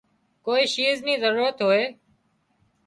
ڪوئي شيِز نِي ضرورت هوئي